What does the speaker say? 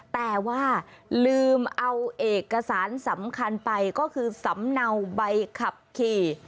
แต่ว่าลืมเอาเอกสารสำคัญไปก็คือสำเนาใบขับขี่